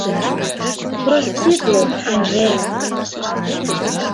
Проститле, Анжела!